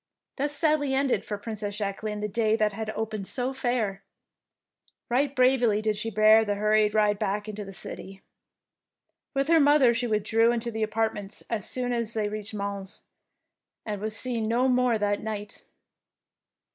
Thus sadly ended for Princess Jacqueline the day that had opened so fair. Eight bravely did she bear the hurried ride back into the city. With her mother she withdrew into their apartments as soon as they reached Mons, and was seen no more that night.